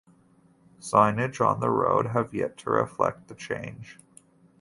Signage on the road have yet to reflect the change.